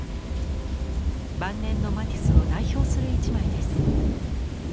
晩年のマティスを代表する一枚です。